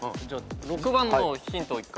６番のヒントを１回。